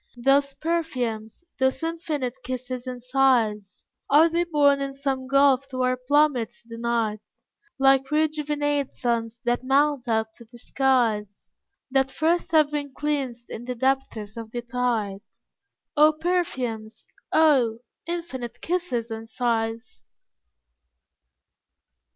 Those perfumes, those infinite kisses and sighs, Are they born in some gulf to our plummets denied? Like rejuvenate suns that mount up to the skies, That first have been cleansed in the depths of the tide; Oh, perfumes! oh, infinite kisses and sighs!